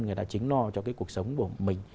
người ta chính lo cho cái cuộc sống của mình